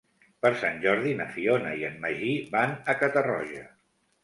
Per Sant Jordi na Fiona i en Magí van a Catarroja.